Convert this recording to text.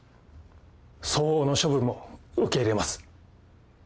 相応の処分も受け入れます。